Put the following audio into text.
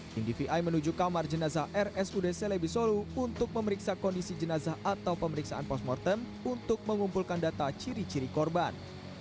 tim dvi menuju kamar jenazah rsud selebi solo untuk memeriksa kondisi jenazah atau pemeriksaan postmortem untuk mengumpulkan data ciri ciri korban